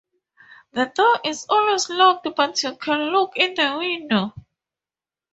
The door is always locked but you can look in the window.